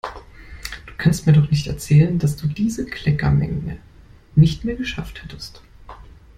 Du kannst mir doch nicht erzählen, dass du diese Kleckermenge nicht mehr geschafft hättest!